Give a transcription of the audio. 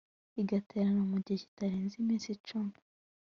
igaterana mu gihe kitarenze iminsi cumi